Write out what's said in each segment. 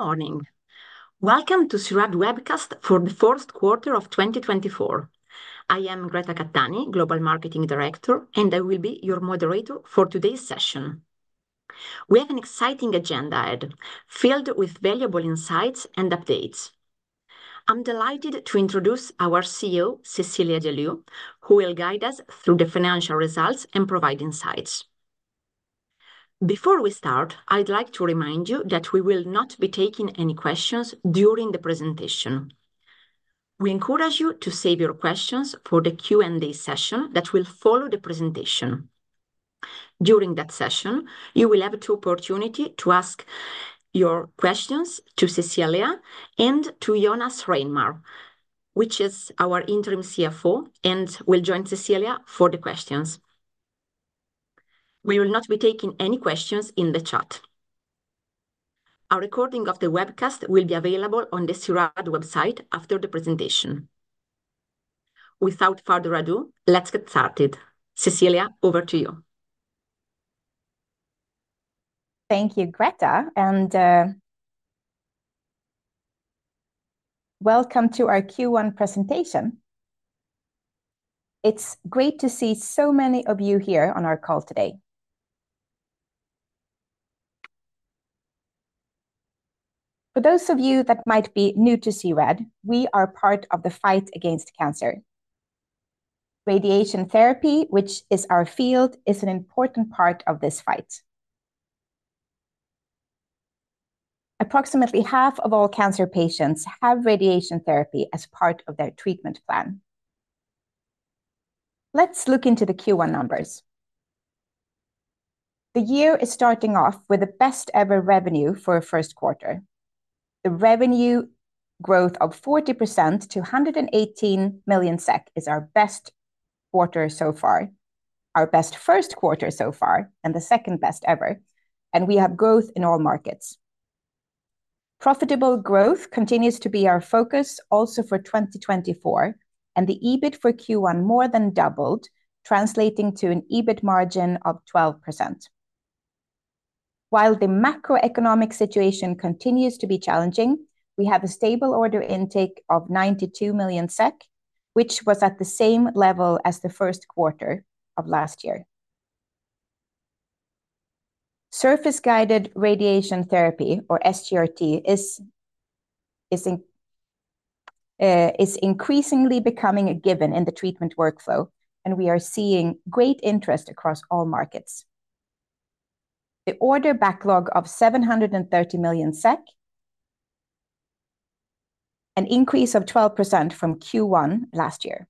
Morning. Welcome to C-RAD webcast for the first quarter of 2024. I am Greta Cattani, Global Marketing Director, and I will be your moderator for today's session. We have an exciting agenda ahead, filled with valuable insights and updates. I'm delighted to introduce our CEO, Cecilia de Leeuw, who will guide us through the financial results and provide insights. Before we start, I'd like to remind you that we will not be taking any questions during the presentation. We encourage you to save your questions for the Q&A session that will follow the presentation. During that session, you will have the opportunity to ask your questions to Cecilia and to Jonas Reinhammar, which is our interim CFO, and will join Cecilia for the questions. We will not be taking any questions in the chat. A recording of the webcast will be available on the C-RAD website after the presentation. Without further ado, let's get started. Cecilia, over to you. Thank you, Greta, and welcome to our Q1 presentation. It's great to see so many of you here on our call today. For those of you that might be new to C-RAD, we are part of the fight against cancer. Radiation therapy, which is our field, is an important part of this fight. Approximately half of all cancer patients have radiation therapy as part of their treatment plan. Let's look into the Q1 numbers. The year is starting off with the best-ever revenue for a first quarter. The revenue growth of 40% to 118 million SEK is our best quarter so far, our best first quarter so far, and the second best ever, and we have growth in all markets. Profitable growth continues to be our focus also for 2024, and the EBIT for Q1 more than doubled, translating to an EBIT margin of 12%. While the macroeconomic situation continues to be challenging, we have a stable order intake of 92 million SEK, which was at the same level as the first quarter of last year. Surface Guided Radiation Therapy, or SGRT, is increasingly becoming a given in the treatment workflow, and we are seeing great interest across all markets. The order backlog of 730 million SEK, an increase of 12% from Q1 last year.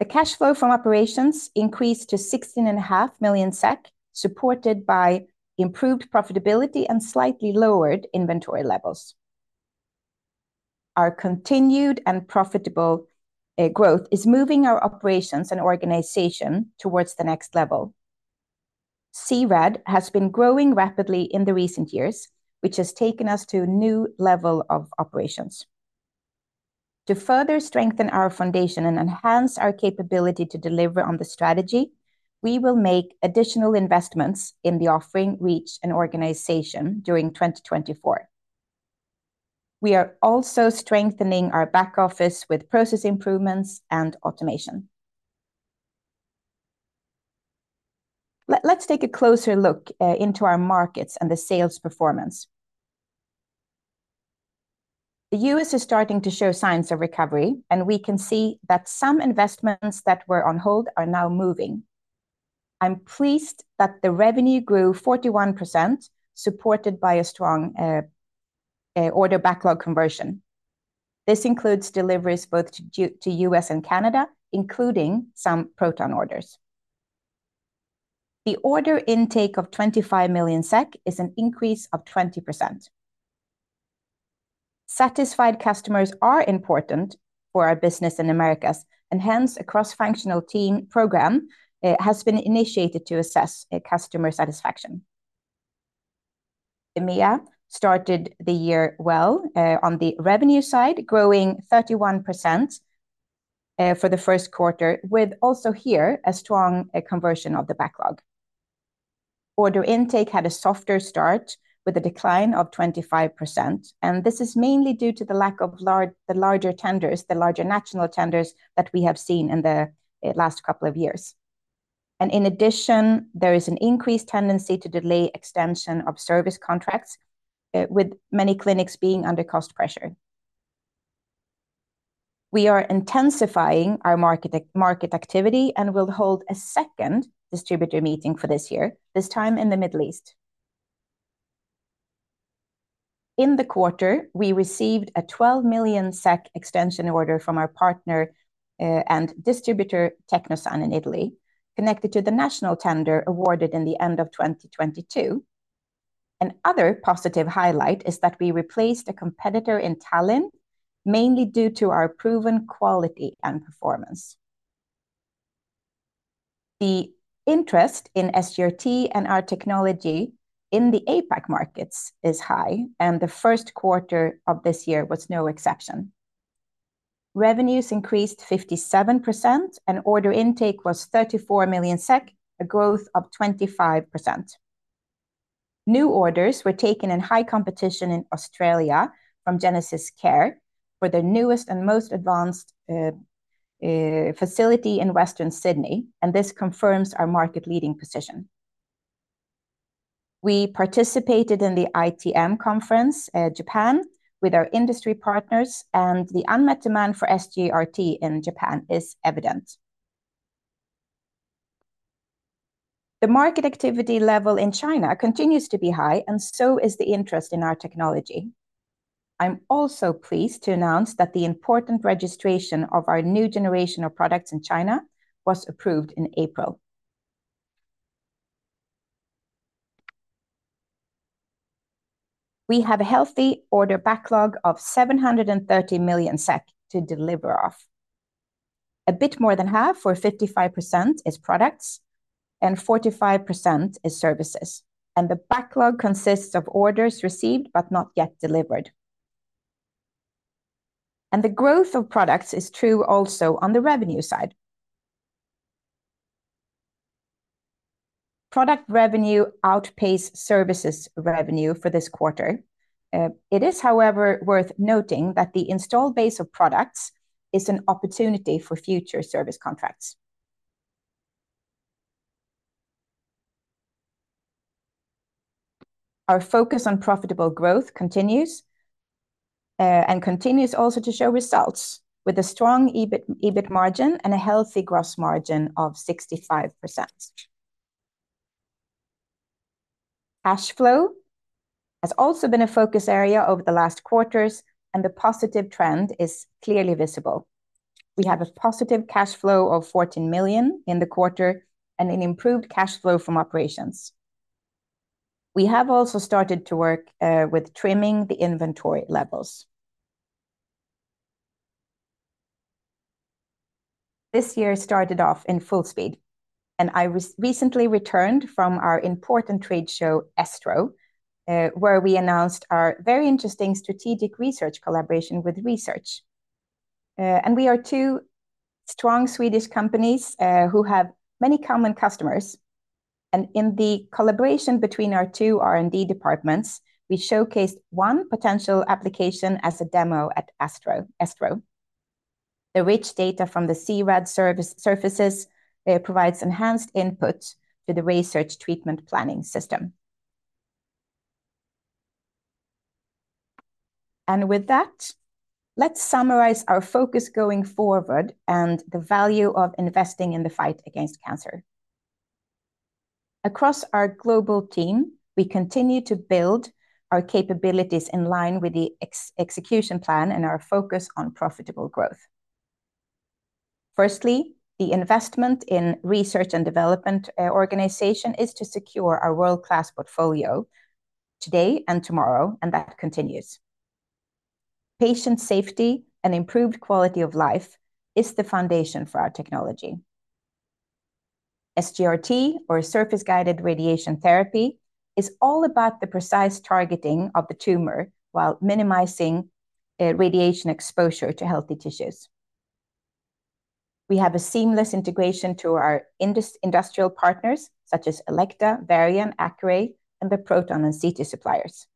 The cash flow from operations increased to 16.5 million SEK, supported by improved profitability and slightly lowered inventory levels. Our continued and profitable growth is moving our operations and organization towards the next level. C-RAD has been growing rapidly in the recent years, which has taken us to a new level of operations. To further strengthen our foundation and enhance our capability to deliver on the strategy, we will make additional investments in the offering reach and organization during 2024. We are also strengthening our back office with process improvements and automation. Let's take a closer look into our markets and the sales performance. The U.S. is starting to show signs of recovery, and we can see that some investments that were on hold are now moving. I'm pleased that the revenue grew 41%, supported by a strong order backlog conversion. This includes deliveries both to U.S. and Canada, including some proton orders. The order intake of 25 million SEK is an increase of 20%. Satisfied customers are important for our business in Americas, and hence, a cross-functional team program has been initiated to assess customer satisfaction. EMEA started the year well on the revenue side, growing 31% for the first quarter, with also here a strong conversion of the backlog. Order intake had a softer start with a decline of 25%, and this is mainly due to the lack of the larger tenders, the larger national tenders that we have seen in the last couple of years. And in addition, there is an increased tendency to delay extension of service contracts with many clinics being under cost pressure. We are intensifying our market activity and will hold a second distributor meeting for this year, this time in the Middle East. In the quarter, we received a 12 million SEK extension order from our partner and distributor, Tecnosan in Italy, connected to the national tender awarded in the end of 2022. Another positive highlight is that we replaced a competitor in Tallinn, mainly due to our proven quality and performance. The interest in SGRT and our technology in the APAC markets is high, and the first quarter of this year was no exception. Revenues increased 57%, and order intake was 34 million SEK, a growth of 25%. New orders were taken in high competition in Australia from GenesisCare, for their newest and most advanced facility in Western Sydney, and this confirms our market-leading position. We participated in the ITEM conference at Japan with our industry partners, and the unmet demand for SGRT in Japan is evident. The market activity level in China continues to be high, and so is the interest in our technology. I'm also pleased to announce that the important registration of our new generation of products in China was approved in April. We have a healthy order backlog of 730 million SEK to deliver off. A bit more than half, or 55%, is products, and 45% is services, and the backlog consists of orders received but not yet delivered. And the growth of products is true also on the revenue side. Product revenue outpaced services revenue for this quarter. It is, however, worth noting that the installed base of products is an opportunity for future service contracts. Our focus on profitable growth continues, and continues also to show results, with a strong EBIT, EBIT margin and a healthy gross margin of 65%. Cash flow has also been a focus area over the last quarters, and the positive trend is clearly visible. We have a positive cash flow of 14 million in the quarter and an improved cash flow from operations. We have also started to work with trimming the inventory levels. This year started off in full speed, and I recently returned from our important trade show, ESTRO, where we announced our very interesting strategic research collaboration with RaySearch. And we are two strong Swedish companies who have many common customers, and in the collaboration between our two R&D departments, we showcased one potential application as a demo at ASTRO, ESTRO. The rich data from the C-RAD service, surfaces, provides enhanced input to the RaySearch treatment planning system. With that, let's summarize our focus going forward and the value of investing in the fight against cancer. Across our global team, we continue to build our capabilities in line with the execution plan and our focus on profitable growth. Firstly, the investment in research and development organization is to secure our world-class portfolio today and tomorrow, and that continues. Patient safety and improved quality of life is the foundation for our technology. SGRT, or Surface-Guided Radiation Therapy, is all about the precise targeting of the tumor while minimizing radiation exposure to healthy tissues. We have a seamless integration to our industrial partners, such as Elekta, Varian, Accuray, and the proton and CT suppliers.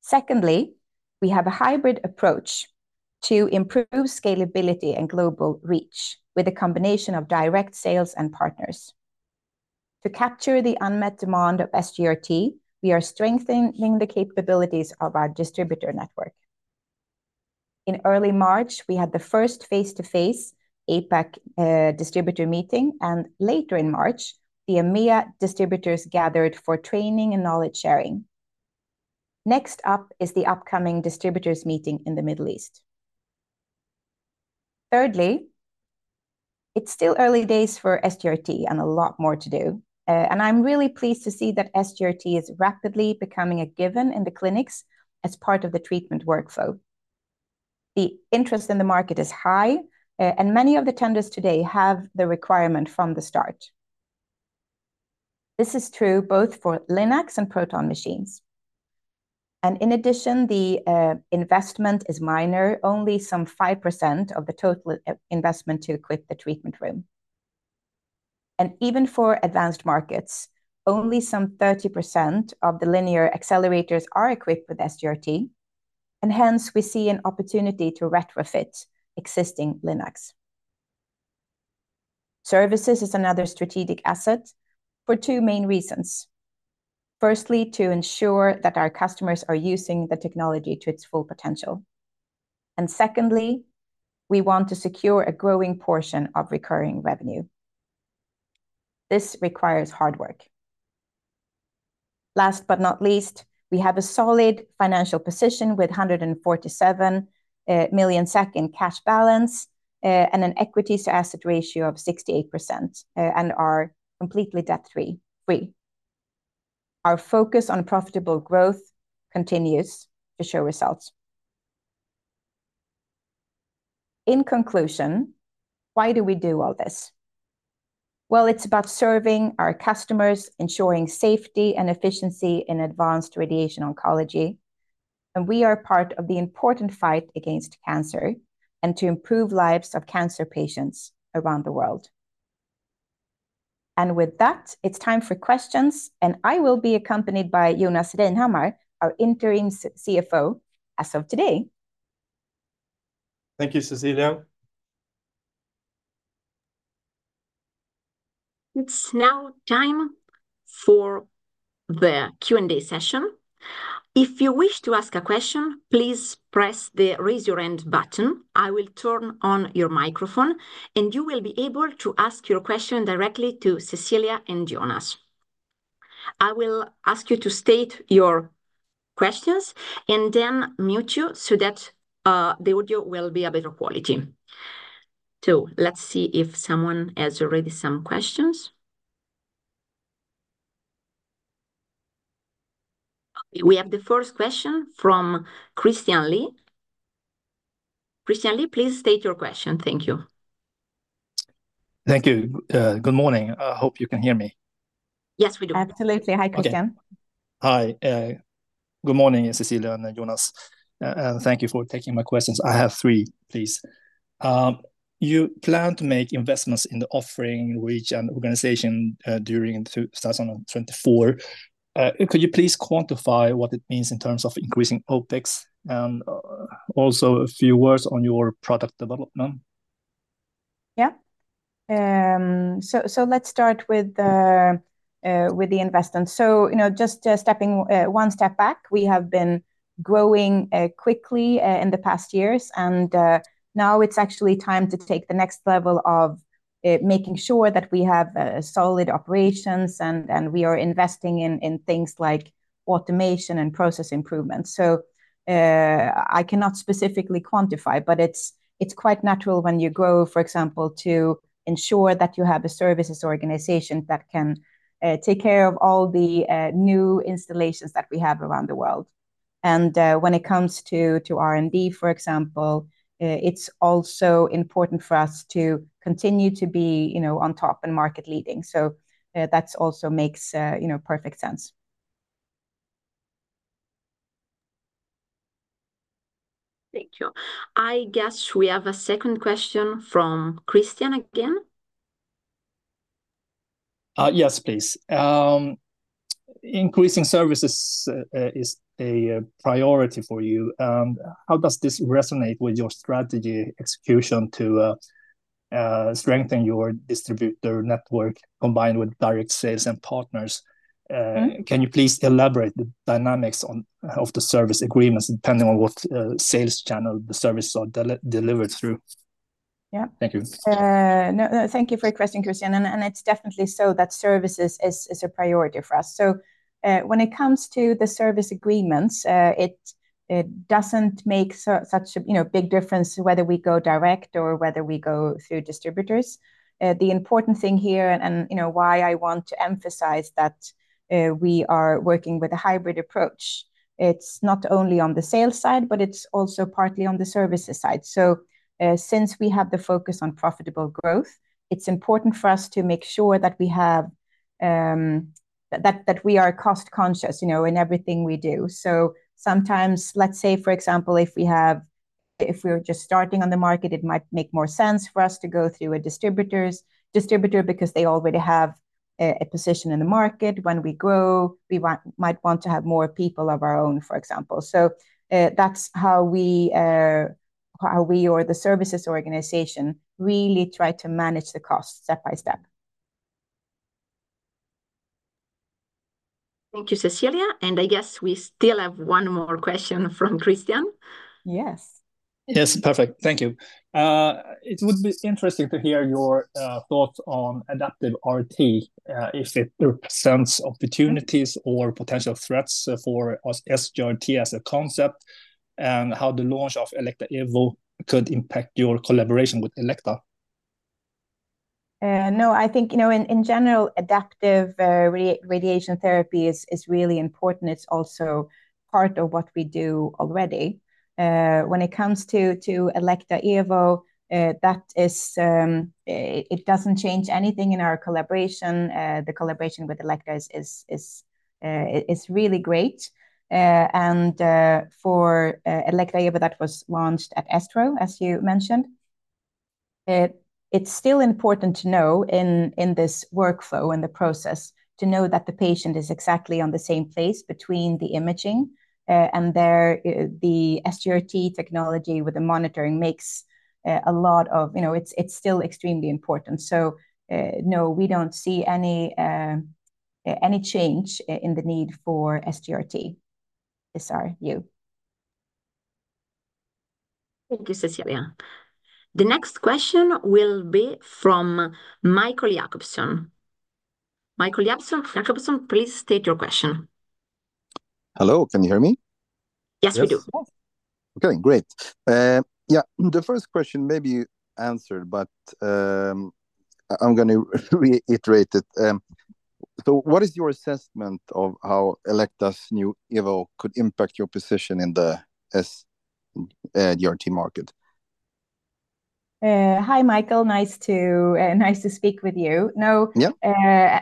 Secondly, we have a hybrid approach to improve scalability and global reach with a combination of direct sales and partners. To capture the unmet demand of SGRT, we are strengthening the capabilities of our distributor network. In early March, we had the first face-to-face APAC distributor meeting, and later in March, the EMEA distributors gathered for training and knowledge sharing. Next up is the upcoming distributors meeting in the Middle East. Thirdly, it's still early days for SGRT and a lot more to do. And I'm really pleased to see that SGRT is rapidly becoming a given in the clinics as part of the treatment workflow. The interest in the market is high, and many of the tenders today have the requirement from the start. This is true both for LINAC and proton machines, and in addition, the investment is minor, only some 5% of the total investment to equip the treatment room. Even for advanced markets, only some 30% of the linear accelerators are equipped with SGRT, and hence, we see an opportunity to retrofit existing LINACs. Services is another strategic asset for two main reasons. Firstly, to ensure that our customers are using the technology to its full potential, and secondly, we want to secure a growing portion of recurring revenue. This requires hard work. Last but not least, we have a solid financial position with 147 million SEK in cash balance, and an equity to asset ratio of 68%, and are completely debt-free. Our focus on profitable growth continues to show results. In conclusion, why do we do all this? Well, it's about serving our customers, ensuring safety and efficiency in advanced radiation oncology, and we are part of the important fight against cancer, and to improve lives of cancer patients around the world. And with that, it's time for questions, and I will be accompanied by Jonas Reinhammar, our interim CFO as of today. Thank you, Cecilia. It's now time for the Q&A session. If you wish to ask a question, please press the raise your hand button. I will turn on your microphone, and you will be able to ask your question directly to Cecilia and Jonas. I will ask you to state your questions, and then mute you so that the audio will be a better quality. So let's see if someone has already some questions. We have the first question from Christian Lee. Christian Lee, please state your question. Thank you. Thank you. Good morning. I hope you can hear me. Yes, we do. Absolutely. Hi, Christian. Hi, good morning, Cecilia and Jonas. Thank you for taking my questions. I have three, please. You plan to make investments in the offering, which an organization, during 2024. Could you please quantify what it means in terms of increasing OpEx, and also a few words on your product development? Yeah. So let's start with the investment. So, you know, just stepping one step back, we have been growing quickly in the past years, and now it's actually time to take the next level of making sure that we have solid operations, and we are investing in things like automation and process improvements. So I cannot specifically quantify, but it's quite natural when you grow, for example, to ensure that you have a services organization that can take care of all the new installations that we have around the world. And when it comes to R&D, for example, it's also important for us to continue to be, you know, on top and market leading. So that's also makes, you know, perfect sense. Thank you. I guess we have a second question from Christian again. Yes, please. Increasing services is a priority for you. How does this resonate with your strategy execution to strengthen your distributor network combined with direct sales and partners? Mm Can you please elaborate on the dynamics of the service agreements, depending on what sales channel the services are delivered through? Yeah. Thank you. No, no, thank you for your question, Christian, and it's definitely so that services is a priority for us. So, when it comes to the service agreements, it doesn't make such a, you know, big difference whether we go direct or whether we go through distributors. The important thing here, and you know, why I want to emphasize that, we are working with a hybrid approach, it's not only on the sales side, but it's also partly on the services side. So, since we have the focus on profitable growth, it's important for us to make sure that we have, that we are cost conscious, you know, in everything we do. So sometimes, let's say, for example, if we have. If we're just starting on the market, it might make more sense for us to go through a distributor, because they already have a position in the market. When we grow, we might want to have more people of our own, for example. So, that's how we or the services organization really try to manage the cost step by step. Thank you, Cecilia, and I guess we still have one more question from Christian. Yes. Yes, perfect. Thank you. It would be interesting to hear your thoughts on Adaptive RT, if it represents opportunities or potential threats for us, SGRT as a concept, and how the launch of Elekta Evo could impact your collaboration with Elekta? No, I think, you know, in general, Adaptive Radiation Therapy is really important. It's also part of what we do already. When it comes to Elekta Evo, that is, it doesn't change anything in our collaboration. The collaboration with Elekta is really great. And for Elekta Evo, that was launched at Astro, as you mentioned. It's still important to know in this workflow, in the process, to know that the patient is exactly on the same place between the imaging and there, the SGRT technology with the monitoring makes a lot of. You know, it's still extremely important. So, no, we don't see any change in the need for SGRT, SRS. Thank you, Cecilia. The next question will be from Michael Jakobsén. Michael Jakobsén, Jakobsén, please state your question. Hello, can you hear me? Yes, we do. Yes. Okay, great. Yeah, the first question may be answered, but, I'm going to reiterate it, So what is your assessment of how Elekta's new Evo could impact your position in the SGRT market? Hi, Michael. Nice to speak with you. No Yeah.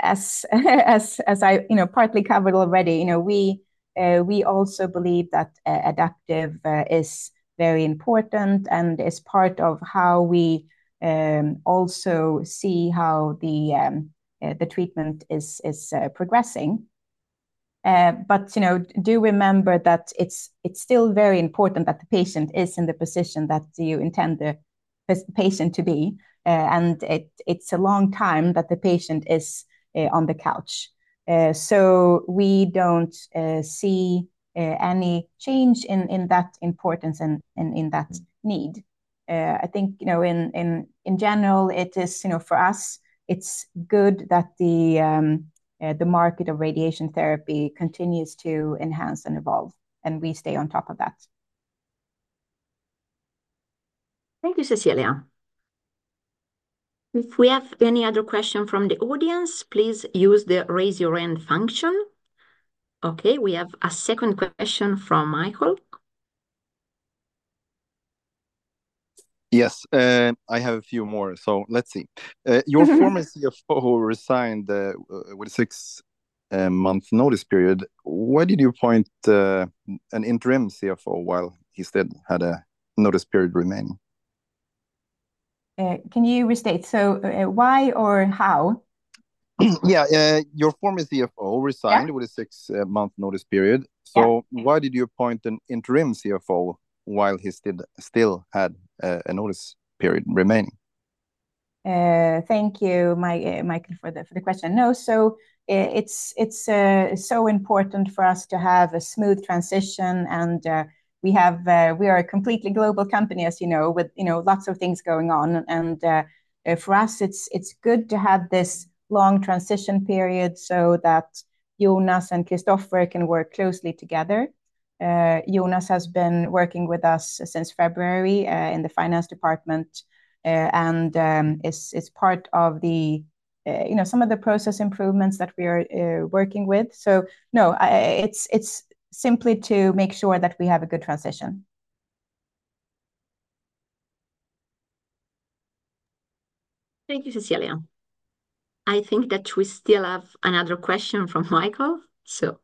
As I, you know, partly covered already, you know, we also believe that adaptive is very important and is part of how we also see how the treatment is progressing. But, you know, do remember that it's still very important that the patient is in the position that you intend the patient to be, and it's a long time that the patient is on the couch. So we don't see any change in that importance and in that need. I think, you know, in general, it is, you know, for us, it's good that the market of radiation therapy continues to enhance and evolve, and we stay on top of that. Thank you, Cecilia. If we have any other question from the audience, please use the raise your hand function. Okay, we have a second question from Michael. Yes, I have a few more, so let's see. Your former CFO resigned with a 6-month notice period. Why did you appoint an interim CFO while he still had a notice period remaining? Can you restate? So, why or how? Yeah, your former CFO resigned Yeah With a 6-month notice period. Yeah. So why did you appoint an interim CFO while he still had a notice period remaining? Thank you, Michael, for the question. No, so it's so important for us to have a smooth transition, and we are a completely global company, as you know, with you know lots of things going on. And for us, it's good to have this long transition period so that Jonas and Christoffer can work closely together. Jonas has been working with us since February in the finance department, and is part of the you know some of the process improvements that we are working with. So no, it's simply to make sure that we have a good transition. Thank you, Cecilia. I think that we still have another question from Michael, so.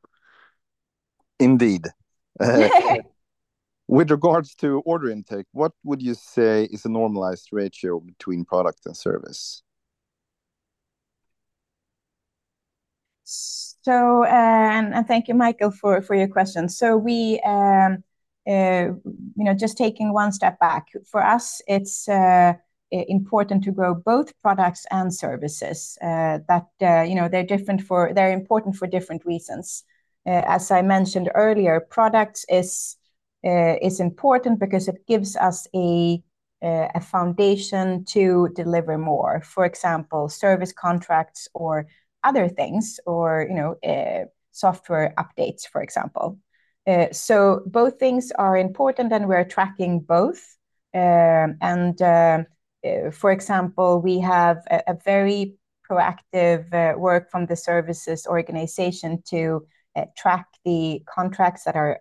Indeed. Yay! With regards to order intake, what would you say is a normalized ratio between product and service? So, thank you, Michael, for your question. So we, you know, just taking one step back, for us it's important to grow both products and services. That, you know, they're different. They're important for different reasons. As I mentioned earlier, products is important because it gives us a foundation to deliver more. For example, service contracts or other things, you know, software updates, for example. So both things are important, and we're tracking both. And, for example, we have a very proactive work from the services organization to track the contracts that are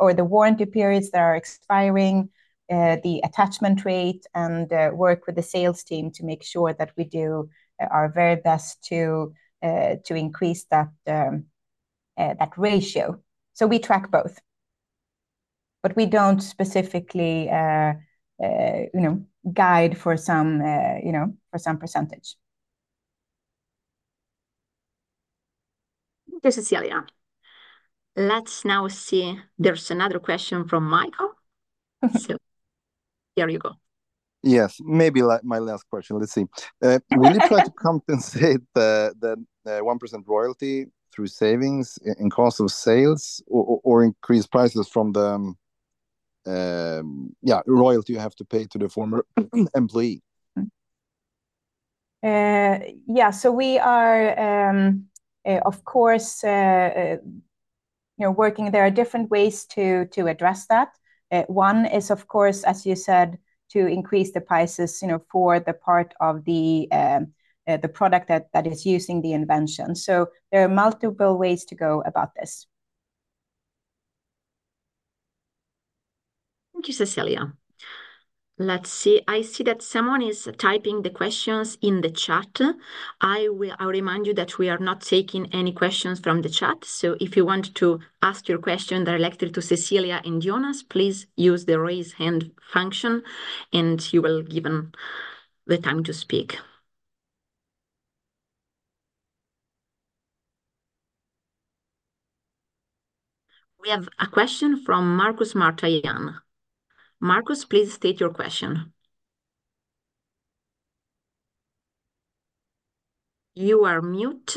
or the warranty periods that are expiring, the attachment rate, and work with the sales team to make sure that we do our very best to increase that ratio. So we track both, but we don't specifically, you know, guide for some, you know, for some percentage. Thank you, Cecilia. Let's now see. There's another question from Michael. So here you go. Yes. Maybe my last question. Let's see. Will you try to compensate the 1% royalty through savings in cost of sales or increase prices from the royalty you have to pay to the former employee? Yeah, so we are, of course, you know, working. There are different ways to, to address that. One is, of course, as you said, to increase the prices, you know, for the part of the, the product that, that is using the invention. So there are multiple ways to go about this. Thank you, Cecilia. Let's see. I see that someone is typing the questions in the chat. I'll remind you that we are not taking any questions from the chat, so if you want to ask your question directed to Cecilia and Jonas, please use the raise hand function, and you will be given the time to speak. We have a question from Marcus Mattsson. Marcus, please state your question. You are mute.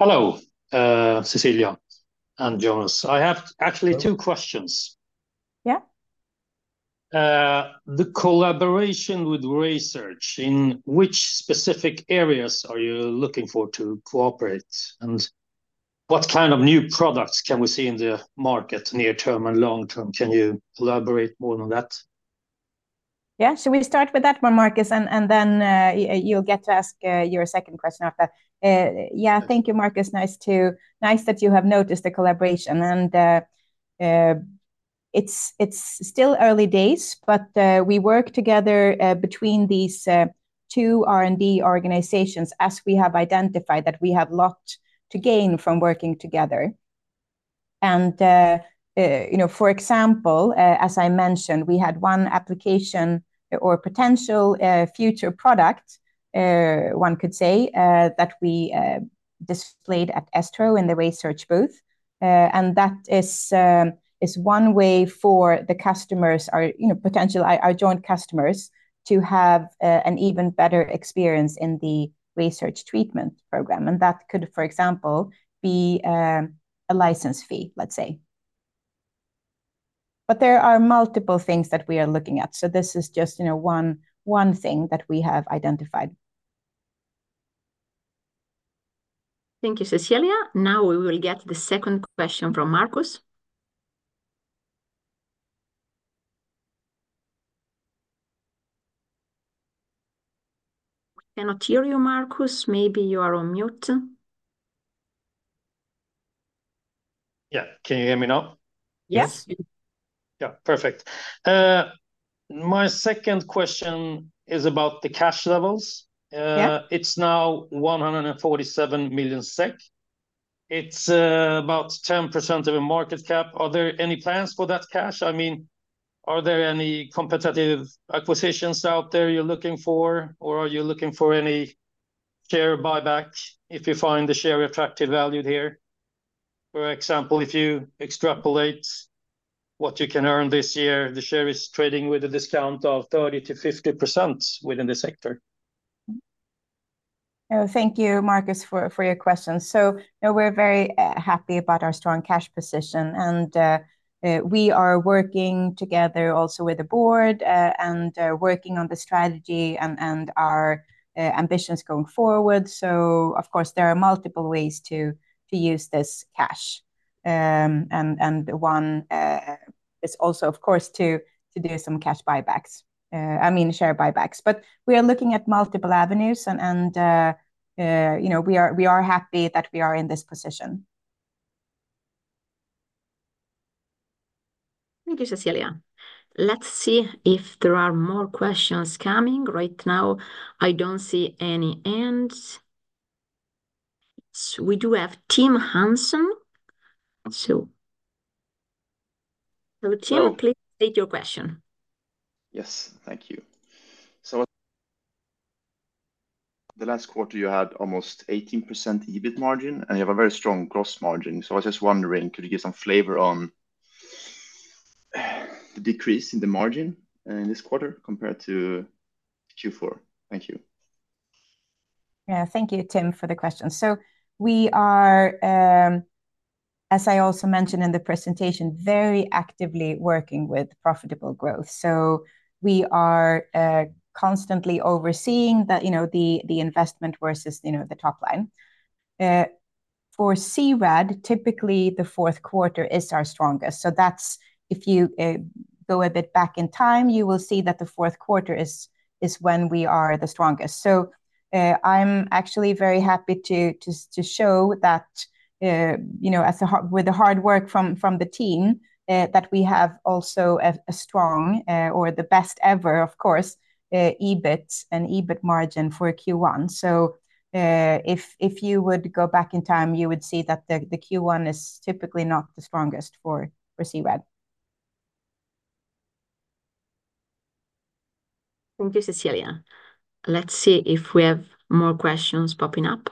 Hello, Cecilia and Jonas. I have actually two questions. Yeah. The collaboration with RaySearch, in which specific areas are you looking for to cooperate? What kind of new products can we see in the market near term and long term? Can you elaborate more on that? Yeah, shall we start with that one, Marcus, and then you'll get to ask your second question after? Yeah, thank you, Marcus. Nice that you have noticed the collaboration, and it's still early days, but we work together between these two R&D organizations as we have identified that we have lot to gain from working together. And you know, for example, as I mentioned, we had one application or potential future product, one could say, that we displayed at ESTRO in the research booth. And that is one way for the customers or, you know, potential, our joint customers, to have an even better experience in the research treatment program. And that could, for example, be a license fee, let's say. There are multiple things that we are looking at, so this is just, you know, one, one thing that we have identified. Thank you, Cecilia. Now we will get the second question from Marcus. We cannot hear you, Marcus. Maybe you are on mute. Yeah. Can you hear me now? Yes. Yes. Yeah, perfect. My second question is about the cash levels. Yeah. It's now 147 million SEK. It's about 10% of the market cap. Are there any plans for that cash? I mean, are there any competitive acquisitions out there you're looking for, or are you looking for any share buyback if you find the share attractive value here? For example, if you extrapolate what you can earn this year, the share is trading with a discount of 30%-50% within the sector. Oh, thank you, Marcus, for your question. So, no, we're very happy about our strong cash position, and we are working together also with the board, and working on the strategy and our ambitions going forward. So of course, there are multiple ways to use this cash. And one is also, of course, to do some cash buybacks, I mean, share buybacks. But we are looking at multiple avenues, and you know, we are happy that we are in this position. Thank you, Cecilia. Let's see if there are more questions coming. Right now, I don't see any hands. We do have Tim Hansson. So. So Tim. Hello Please state your question. Yes, thank you. So the last quarter, you had almost 18% EBIT margin, and you have a very strong gross margin. So I was just wondering, could you give some flavor on the decrease in the margin in this quarter compared to Q4? Thank you. Yeah. Thank you, Tim, for the question. So we are, as I also mentioned in the presentation, very actively working with profitable growth. So we are constantly overseeing the, you know, the investment versus, you know, the top line. For C-RAD, typically, the fourth quarter is our strongest. So that's, if you go a bit back in time, you will see that the fourth quarter is when we are the strongest. So I'm actually very happy to show that, you know, with the hard work from the team, that we have also a strong, or the best ever, of course, EBIT and EBIT margin for Q1. So if you would go back in time, you would see that the Q1 is typically not the strongest for C-RAD. Thank you, Cecilia. Let's see if we have more questions popping up.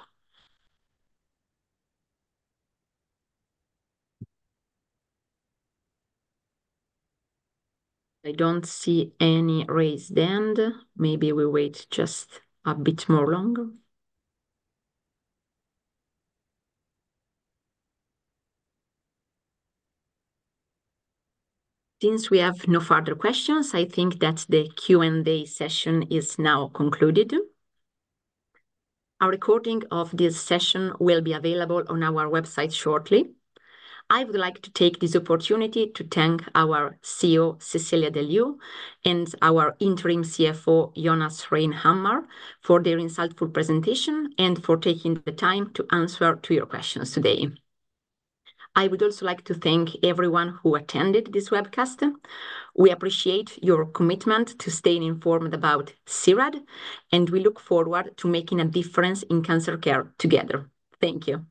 I don't see any raised hand. Maybe we wait just a bit more longer. Since we have no further questions, I think that the Q&A session is now concluded. A recording of this session will be available on our website shortly. I would like to take this opportunity to thank our CEO, Cecilia de Leeuw, and our interim CFO, Jonas Reinhammar, for their insightful presentation and for taking the time to answer to your questions today. I would also like to thank everyone who attended this webcast. We appreciate your commitment to staying informed about C-RAD, and we look forward to making a difference in cancer care together. Thank you.